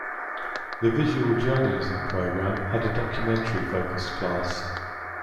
The Visual Journalism Program had a documentary focused class.